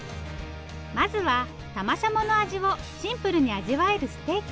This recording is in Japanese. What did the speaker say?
まずはタマシャモの味をシンプルに味わえるステーキ。